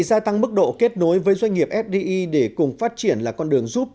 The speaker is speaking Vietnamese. gia tăng mức độ kết nối với doanh nghiệp fdi để cùng phát triển là con đường giúp